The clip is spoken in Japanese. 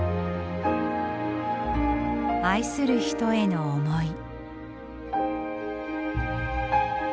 愛する人への思い。